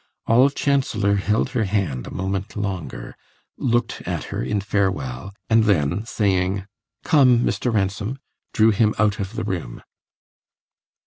Olive Chancellor held her hand a moment longer, looked at her in farewell, and then, saying, "Come, Mr. Ransom," drew him out of the room.